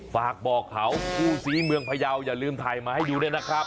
ฝากบอกเขาคู่ศรีเมืองพยาวอย่าลืมถ่ายมาให้ดูด้วยนะครับ